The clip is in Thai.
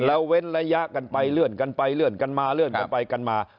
แล้วเว้นระยะกันไปเลื่อนกันไปเลื่อนกันมาเลื่อนกันไปกันมา